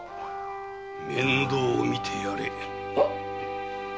面倒をみてやれ。